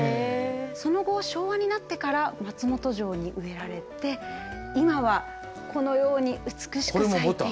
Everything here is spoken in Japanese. その後昭和になってから松本城に植えられて今はこのように美しく咲いている。